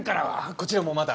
こちらもまだ。